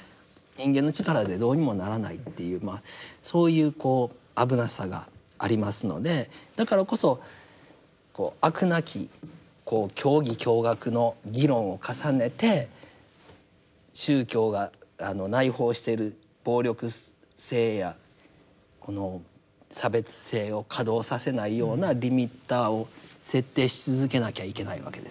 人間の力でどうにもならないっていうそういう危なさがありますのでだからこそこう飽くなきこう教義教学の議論を重ねて宗教が内包している暴力性やこの差別性を稼働させないようなリミッターを設定し続けなきゃいけないわけですね。